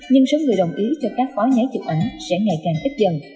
nhưng số người đồng ý cho các phó nhái chụp ảnh sẽ ngày càng ít dần